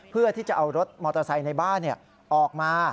เพื่อที่จะเอารถมอเตอร์ไซค์ในบ้านออกมา